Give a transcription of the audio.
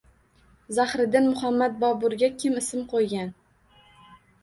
Zahiriddin Muhammad Boburga kim ism qo‘ygan?